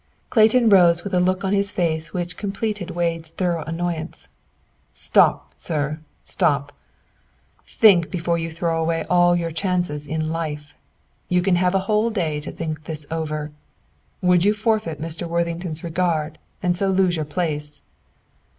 Clayton rose with a look on his face which completed Wade's thorough annoyance. "Stop, sir; stop! Think before you throw away all your chances in life! You can have a whole day to think this over. Would you forfeit Mr. Worthington's regard and so lose your place?"